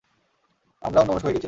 আমরা অন্যমনস্ক হয়ে গিয়েছিলাম।